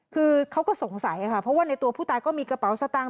คือเขาก็สงสัยค่ะเพราะว่าในตัวผู้ตายก็มีกระเป๋าสตางค